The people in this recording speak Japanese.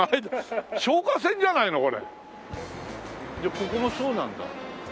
じゃあここもそうなんだ。